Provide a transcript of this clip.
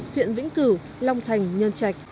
huyện vĩnh cửu long thành nhân trạch